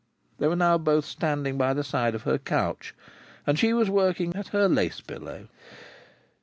They were now both standing by the side of her couch, and she was working at her lace pillow.